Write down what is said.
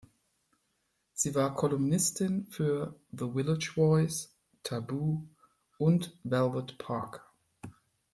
Sie war Kolumnistin für "The Village Voice", "Taboo", und "Velvet Park".